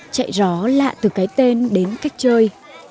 chạy rõ lạ từ cái tên đến cách chơi